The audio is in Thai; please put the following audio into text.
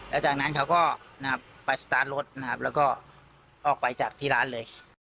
แล้วจากนั้นเขาก็ไปสตาร์ทรถนะครับแล้วก็ออกไปจากที่ร้านเลย